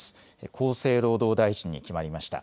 厚生労働大臣に決まりました。